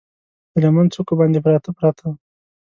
د لمن څوکو باندې، پراته، پراته